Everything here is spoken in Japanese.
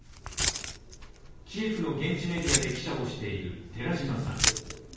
キエフの現地メディアで記者をしている寺島さん。